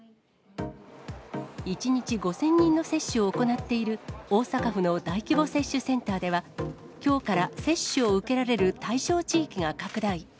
１日５０００人の接種を行っている、大阪府の大規模接種センターでは、きょうから接種を受けられる対象地域が拡大。